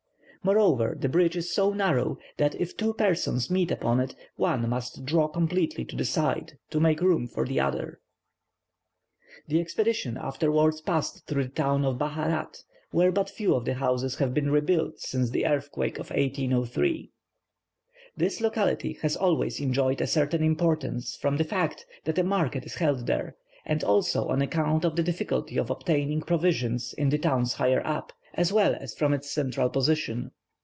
Moreover the bridge is so narrow, that if two persons meet upon it, one must draw completely to the side to make room for the other." [Illustration: Bridge of rope.] The expedition afterwards passed through the town of Baharat, where but few of the houses have been rebuilt since the earthquake of 1803. This locality has always enjoyed a certain importance from the fact that a market is held there, and also on account of the difficulty of obtaining provisions in the towns higher up, as well as from its central position.